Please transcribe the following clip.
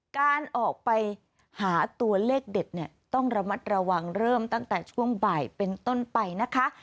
การออกไปหาตัวเลขเด็ดเนี่ยต้องระมัดระวังเริ่มตั้งแต่ช่วงบ่ายเป็นต้นไปนะคะ